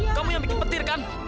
kamu yang bikin petir kan